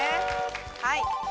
はい。